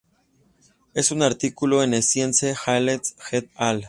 En un artículo en Science, Alley et al.